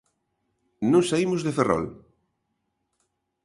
Non saímos de Ferrol.